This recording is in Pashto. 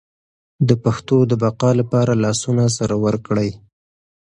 د پښتو د بقا لپاره لاسونه سره ورکړئ.